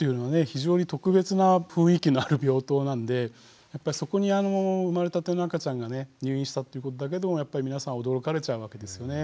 非常に特別な雰囲気のある病棟なんでそこに生まれたての赤ちゃんがね入院したということだけでもやっぱり皆さん驚かれちゃうわけですよね。